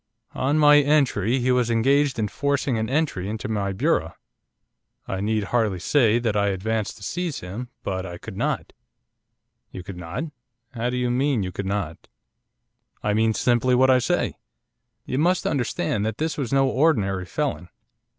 'On my entry he was engaged in forcing an entry into my bureau. I need hardly say that I advanced to seize him. But I could not.' 'You could not? How do you mean you could not?' 'I mean simply what I say. You must understand that this was no ordinary felon.